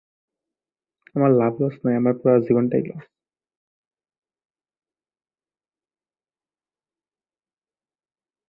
মিজোরামের দক্ষিণ-পশ্চিমাঞ্চলের পয়ঃনিষ্কাশন ব্যবস্থা নদীটির উপর নির্ভরশীল।